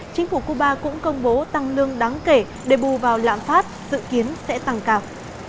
chính phủ cuba cũng công bố tăng lương đáng kể để bù vào lãm phát dự kiến sẽ tăng cao